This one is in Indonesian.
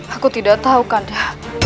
aku tidak tahu kanda